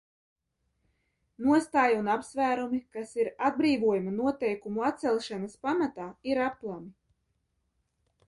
Nostāja un apsvērumi, kas ir atbrīvojuma noteikumu atcelšanas pamatā, ir aplami.